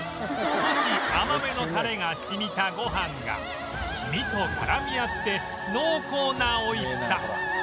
少し甘めのたれが染みたご飯が黄身と絡み合って濃厚な美味しさ